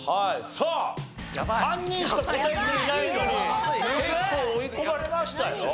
さあ３人しか答えていないのに結構追い込まれましたよ。